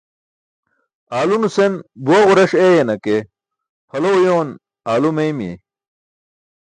Aalo nusen buwa ġuras eeyana ke phalo uyoon alo meeymi.